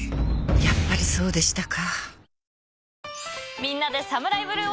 やっぱりそうでしたか。